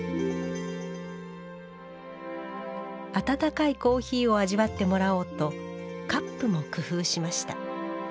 温かいコーヒーを味わってもらおうとカップも工夫しました。